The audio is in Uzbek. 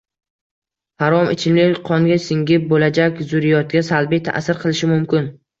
Harom ichimlik qonga singib, bo‘lajak zurriyotga salbiy ta’sir qilishi mumkin.